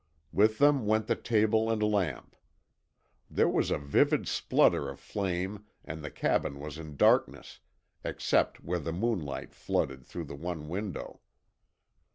With them went the table and lamp. There was a vivid splutter of flame and the cabin was in darkness, except where the moon light flooded through the one window.